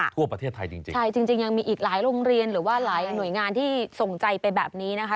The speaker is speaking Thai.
ทั่วประเทศไทยจริงจริงใช่จริงยังมีอีกหลายโรงเรียนหรือว่าหลายหน่วยงานที่ส่งใจไปแบบนี้นะคะ